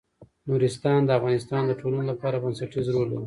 نورستان د افغانستان د ټولنې لپاره بنسټيز رول لري.